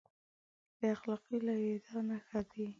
د اخلاقي لوېدا نښه دی.